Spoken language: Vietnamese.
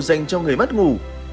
dành cho người mất ngủ